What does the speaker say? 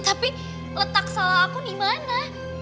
tapi letak salah aku di mana